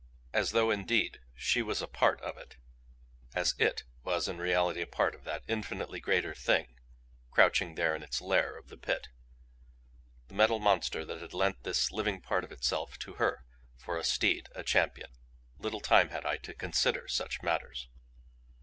As though, indeed, she was a PART of it as IT was in reality a part of that infinitely greater Thing, crouching there in its lair of the Pit the Metal Monster that had lent this living part of itself to her for a steed, a champion. Little time had I to consider such matters.